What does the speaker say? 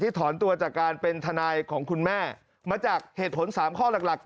ถอนตัวจากการเป็นทนายของคุณแม่มาจากเหตุผล๓ข้อหลักหลัก